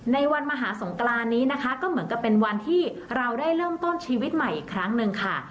ในวันมหาสงกรานนี้นะคะก็เหมือนกับเป็นวันที่เราได้เริ่มต้นชีวิตใหม่อีกครั้งหนึ่งค่ะ